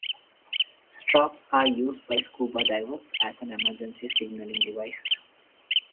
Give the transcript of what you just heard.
Strobes are used by scuba divers as an emergency signaling device.